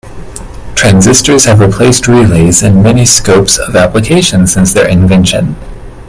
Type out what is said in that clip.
Transistors have replaced relays in many scopes of application since their invention.